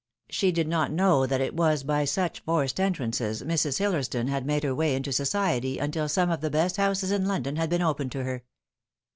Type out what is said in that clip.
She did not know that it was by such forced entrances Mrs. Hillersdon had made her way in society until some of the best houses in London had been opened to her.